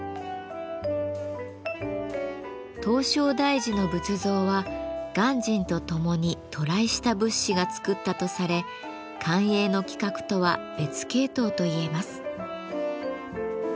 唐招提寺の仏像は鑑真とともに渡来した仏師が作ったとされ官営の規格とは別系統といえます。